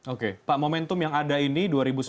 oke pak momentum yang ada ini dua ribu sembilan belas